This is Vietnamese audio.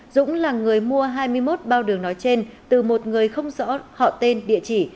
dũng là người mua hai mươi một bao đường nói trên từ một người không rõ họ tên địa chỉ